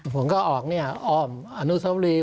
ผมก็ออกเนี่ยอ้อมอาโนโชป์ฟลี